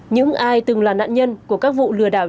những ai từng là nạn nhân của các vụ lừa đảo